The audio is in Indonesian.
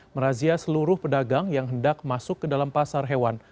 merazia seluruh pedagang yang hendak masuk ke dalam pasar hewan